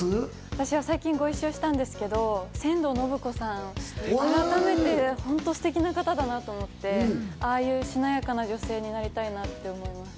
私は最近ご一緒したんですけど、仙道敦子さんが改めてステキな方だなと思って、ああいうしなやかな女性になりたいなと思って。